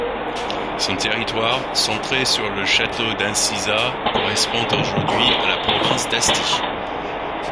Son territoire, centré sur le château d’Incisa, correspond aujourd’hui à la province d'Asti.